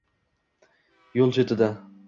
Yo’l chetida